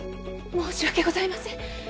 申し訳ございません。